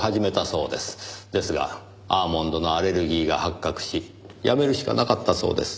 ですがアーモンドのアレルギーが発覚し辞めるしかなかったそうです。